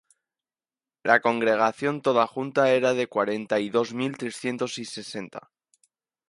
La congregación toda junta era de cuarenta y dos mil trescientos y sesenta,